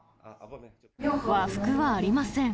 和服はありません。